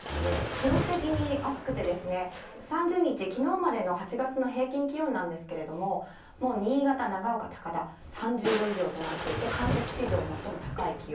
記録的に暑くて、３０日、きのうまでの８月の平均気温なんですけれども、もう新潟、長岡、高田、３０度以上となっていて、観測史上最も高い気温。